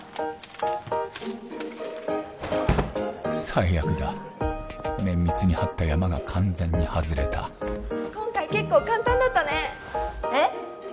最悪だ綿密に張ったヤマが完全に外れた今回結構簡単だったねえっ！？